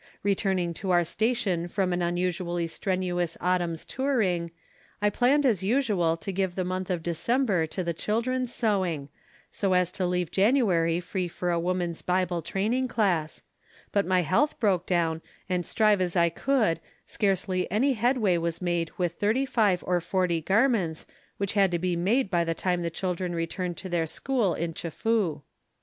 Returning to our station from an unusually strenuous autumn's touring, I planned as usual to give the month of December to the children's sewing, so as to leave January free for a Woman's Bible Training Class, but my health broke down and strive as I could scarcely any headway was made with thirty five or forty garments which had to be made by the time the children returned to their school in Chefoo.